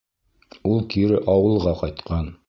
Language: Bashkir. Ул кире ауылға ҡайтҡан.